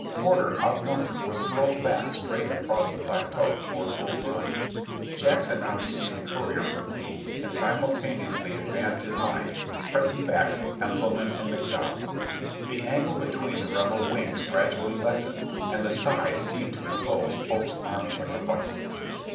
Por ter, outnumbered, was hurled back straight across the plateau toward Bull Run. Jackson now received a courier from Lee and simultaneously advanced his line, pressing back Heintzelman and McDowell. The angle between the Rebel wings gradually lessened and the sides seemed to enclose Pope's army like a vise.